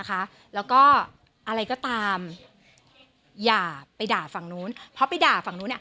อะไรตามคืออย่าไปด่าฝั่งนู้น